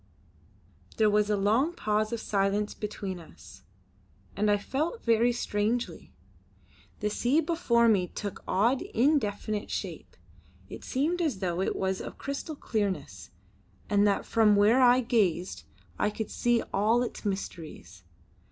There was a long pause of silence between us, and I felt very strangely. The sea before me took odd, indefinite shape. It seemed as though it was of crystal clearness, and that from where I gazed I could see all its mysteries.